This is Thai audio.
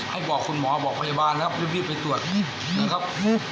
ให้บอกคุณหมอบอกพยาบาลนะครับรีบไปตรวจนะครับ